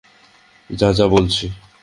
যা, যা বলছি!